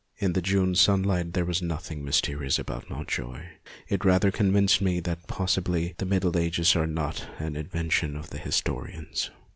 In the June sunlight there was nothing mysterious about Montjoie ; it rather convinced me that possibly the Middle Ages 244 MONOLOGUES are not an invention of the historians.